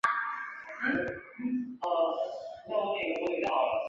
动力博物馆众所周知是其中一个受欢迎的悉尼旅游景点。